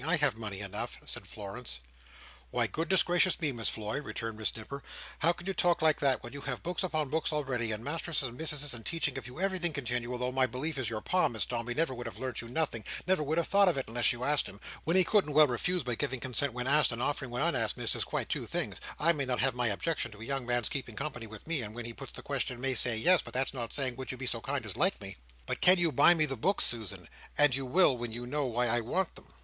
I have money enough," said Florence. "Why, goodness gracious me, Miss Floy," returned Miss Nipper, "how can you talk like that, when you have books upon books already, and masterses and mississes a teaching of you everything continual, though my belief is that your Pa, Miss Dombey, never would have learnt you nothing, never would have thought of it, unless you'd asked him—when he couldn't well refuse; but giving consent when asked, and offering when unasked, Miss, is quite two things; I may not have my objections to a young man's keeping company with me, and when he puts the question, may say 'yes,' but that's not saying 'would you be so kind as like me.'" "But you can buy me the books, Susan; and you will, when you know why I want them."